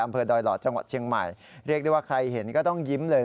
อำเภอดอยหลอดจังหวัดเชียงใหม่เรียกได้ว่าใครเห็นก็ต้องยิ้มเลย